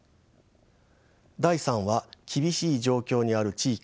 第３は「厳しい状況にある地域から学ぶ」です。